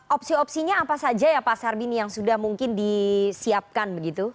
opsi opsinya apa saja ya pak sarbini yang sudah mungkin disiapkan begitu